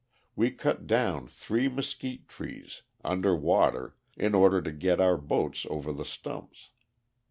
We cut down three mesquite trees, under water, in order to get our boats over the stumps.